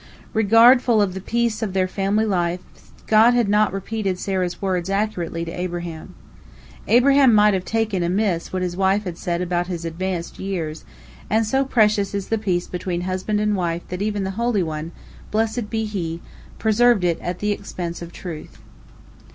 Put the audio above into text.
Regardful of the peace of their family life, God had not repeated Sarah's words accurately to Abraham. Abraham might have taken amiss what his wife had said about his advanced years, and so precious is the peace between husband and wife that even the Holy One, blessed be He, preserved it at the expense of truth.